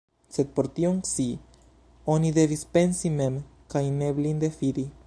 Sed por tion scii, oni devis pensi mem, kaj ne blinde fidi.